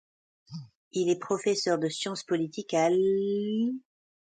Il est professeur de sciences politiques à l'.